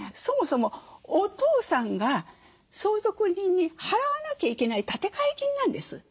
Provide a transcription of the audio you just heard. そもそもお父さんが相続人に払わなきゃいけない立て替え金なんです。